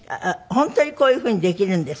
本当にこういうふうにできるんですか？